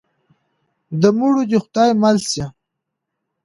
د مړو دې خدای مل شي.